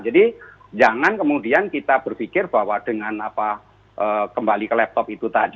jadi jangan kemudian kita berpikir bahwa dengan apa kembali ke laptop itu tadi